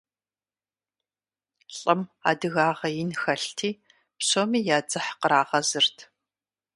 ЛӀым адыгагъэ ин хэлъти, псоми я дзыхь кърагъэзырт.